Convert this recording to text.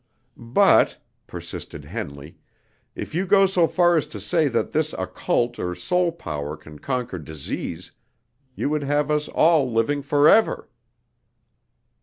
"But," persisted Henley, "if you go so far as to say that this occult or soul power can conquer disease, you would have us all living forever!"